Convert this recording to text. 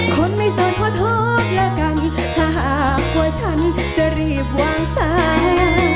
คนไม่สนขอโทษแล้วกันถ้าหากว่าฉันจะรีบวางสาย